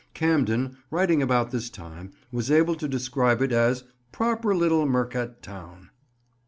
Camden, writing about this time, was able to describe it as "proper little mercat towne."